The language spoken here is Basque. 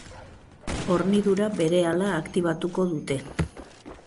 Hornidura berehala aktibatuko dute.